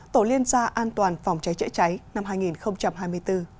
tổ liên gia an toàn phòng cháy chữa cháy năm hai nghìn hai mươi bốn